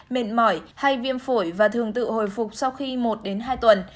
mền mỏi hay viêm phổi và thường tự hồi phục sau khi một hai tuần